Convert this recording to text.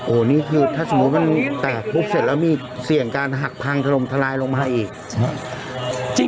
โอ้โหนี่คือถ้าสมมุติมันแตกปุ๊บเสร็จแล้วมีเสี่ยงการหักพังถล่มทลายลงมาอีก